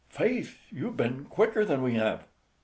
"Faith, you've been quicker than we have."